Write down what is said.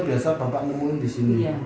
biasanya bapak nemuin di sini